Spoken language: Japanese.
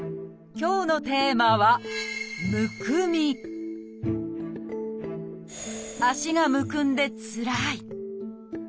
今日のテーマは足がむくんでつらい。